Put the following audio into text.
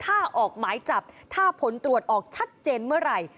ถ้าออกหมายจับถ้าผลตรวจออกชัดเจนเมื่อไหร่